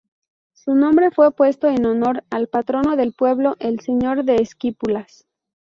Su nombre fue puesto en honor al Patrono del pueblo el señor de Esquipulas.